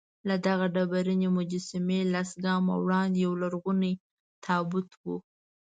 له دغه ډبرینې مجسمې لس ګامه وړاندې یولرغونی تابوت و.